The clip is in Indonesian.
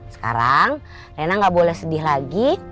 sekarang lena gak boleh sedih lagi